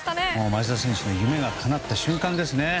町田選手の夢がかなった瞬間ですね。